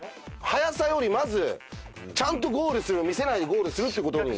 速さよりまずちゃんとゴールする見せないでゴールするって事に。